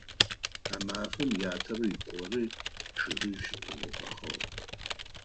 А мафэм ятэрэ ыкъорэ чъыгищ зэпахыгъ.